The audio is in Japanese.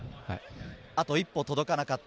あと一歩届かなかった。